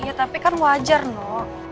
iya tapi kan wajar noh